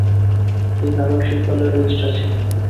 তিনি ঢাকা বিশ্ববিদ্যালয়ের রেজিস্ট্রার ছিলেন।